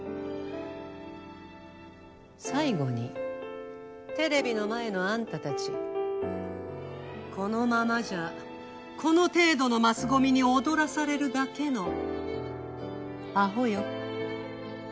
最後にテレビの前のあんたたちこのままじゃこの程度のマスゴミに踊らされるだけのアホよ。